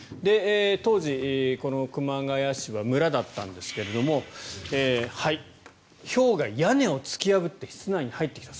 当時、この熊谷市は村だったんですがひょうが屋根を突き破って室内に入ってきた。